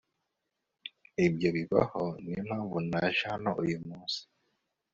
Ibyo bibaho niyo mpamvu naje hano uyu munsi